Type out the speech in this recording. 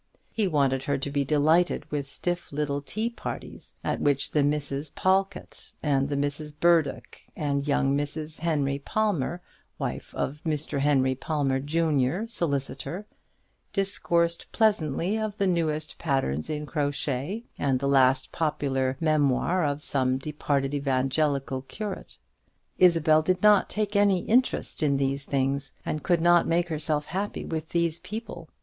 He wanted her to be delighted with stiff little tea parties, at which the Misses Pawlkatt, and the Misses Burdock, and young Mrs. Henry Palmer, wife of Mr. Henry Palmer junior, solicitor, discoursed pleasantly of the newest patterns in crochet, and the last popular memoir of some departed Evangelical curate. Isabel did not take any interest in these things, and could not make herself happy with these people.